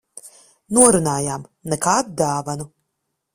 Norunājām - nekādu dāvanu.